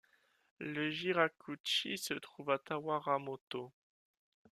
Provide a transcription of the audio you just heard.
Le Jinraku-ji se trouve à Tawaramoto.